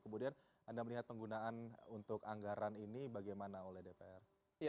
kemudian anda melihat penggunaan untuk anggaran ini bagaimana oleh dpr